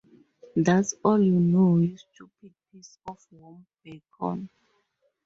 That’s all you know, you stupid piece of warm bacon!